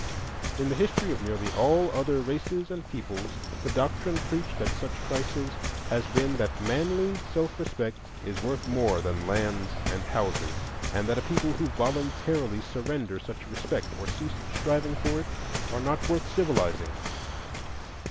In the history of nearly all other races and peoples the doctrine preached at such crises has been that manly self respect is worth more than lands and houses, and that a people who voluntarily surrender such respect, or cease striving for it, are not worth civilizing.